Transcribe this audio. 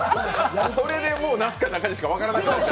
それで那須か中西か分からなくなって。